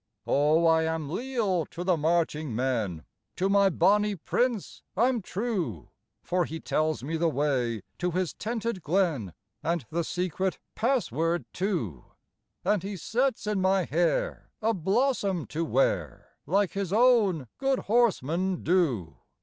Oh, I am leal to the marching men, To my bonnie Prince I'm true; For he tells me the way to his tented glen, And the secret password too: And he sets in my hair a blossom to wear, Like his own good horsemen do.